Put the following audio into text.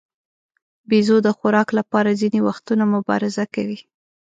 بیزو د خوراک لپاره ځینې وختونه مبارزه کوي.